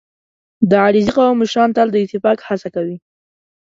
• د علیزي قوم مشران تل د اتفاق هڅه کوي.